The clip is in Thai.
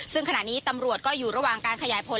ซึ่งขณะนี้ตำรวจก็อยู่ระหว่างการขยายผล